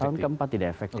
tahun keempat tidak efektif